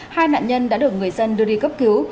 hai nạn nhân đã được người dân đưa đi cấp cứu